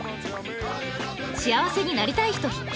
幸せになりたい人必見！